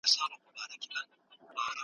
دوی هم له کیسو سره مینه لرله.